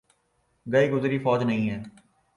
گئی گزری فوج نہیں ہے۔